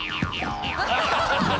ハハハハ！